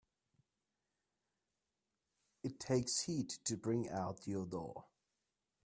It takes heat to bring out the odor.